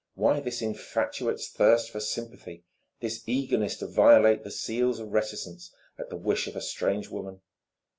Why this infatuate thirst for sympathy, this eagerness to violate the seals of reticence at the wish of a strange woman?